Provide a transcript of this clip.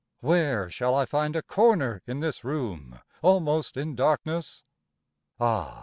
III Where shall I find a corner in this room Almost in darkness? Ah!